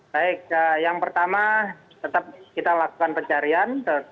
baik yang pertama tetap kita lakukan pencarian